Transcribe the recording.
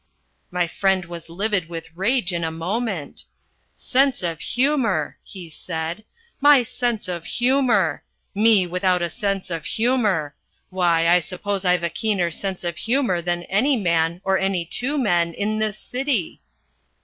My friend was livid with rage in a moment. "Sense of humour!" he said. "My sense of humour! Me without a sense of humour! Why, I suppose I've a keener sense of humour than any man, or any two men, in this city!"